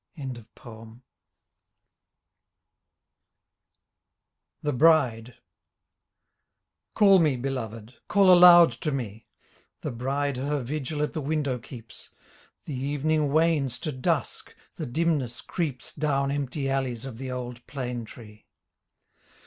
20 THE BRIDE Call me, Beloved ! Call aloud to me ! Thy bride her vigil at the window keeps; The evening wanes to dusk, the dimness creeps Down empty alleys of the old plane tree.